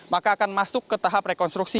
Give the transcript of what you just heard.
maka akan masuk ke tahap rekonstruksi